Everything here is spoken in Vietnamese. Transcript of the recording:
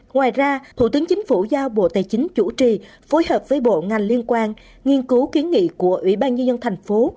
ngoài ra thủ tướng chính phủ giao bộ tài chính chủ trì phối hợp với bộ ngành liên quan nghiên cứu kiến nghị của ủy ban nhân dân thành phố